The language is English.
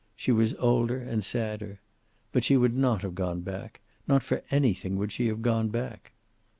She was older and sadder. But she would not have gone back. Not for anything would she have gone back.